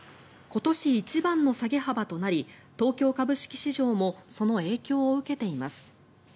今年一番の下げ幅となり東京株式市場もその影響を受けています。